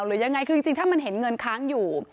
หรือยังไงคือจริงถ้ามันเห็นเงินค้างอยู่